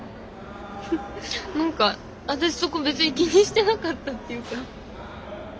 何か私そこ別に気にしてなかったっていうか。